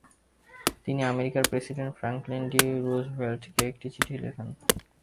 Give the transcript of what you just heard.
তিনি আমেরিকার president Franklin D. রুজভেল্টকে একটি চিঠি লেখেন।